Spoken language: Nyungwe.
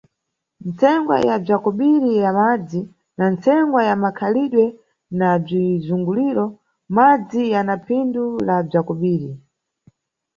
Ntsengwa ya bza kobiri ya madzi wa ntsengwa ya makhalidwe na bzizunguliro, madzi yana phindu la bza kobiri.